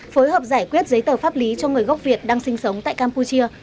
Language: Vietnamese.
phối hợp giải quyết giấy tờ pháp lý cho người gốc việt đang sinh sống tại campuchia